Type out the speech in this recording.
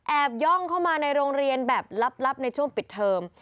ย่องเข้ามาในโรงเรียนแบบลับในช่วงปิดเทอม